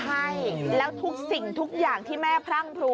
ใช่แล้วสิ่งทุกอย่างที่แม่พร้อมนะ